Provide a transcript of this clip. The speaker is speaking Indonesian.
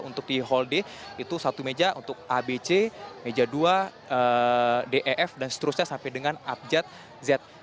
untuk di hall d itu satu meja untuk abc meja dua def dan seterusnya sampai dengan abjad z